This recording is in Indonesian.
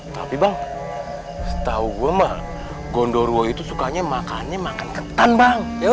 tapi bang tahu gua mah gondorwo itu sukanya makannya makan ketan bang ya